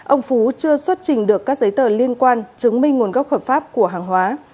ông phú chưa xuất trình được các giấy tờ liên quan chứng minh nguồn gốc hợp pháp của hàng hóa